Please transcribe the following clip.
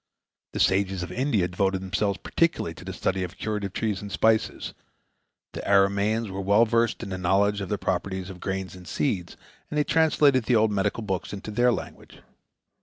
The sages of India devoted themselves particularly to the study of curative trees and spices; the Arameans were well versed in the knowledge of the properties of grains and seeds, and they translated the old medical books into their language.